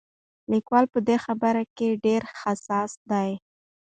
لیکوال په دې برخه کې ډېر حساس دی.